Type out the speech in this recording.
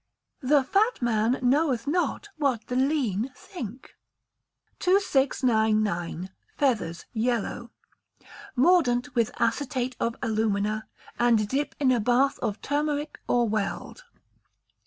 [THE FAT MAN KNOWETH NOT WHAT THE LEAN THINK.] 2699. Feathers (Yellow). Mordant with acetate of alumina, and dip in a bath of turmeric or weld.